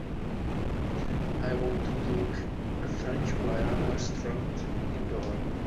I want to book a French Guiana restaurant indoor.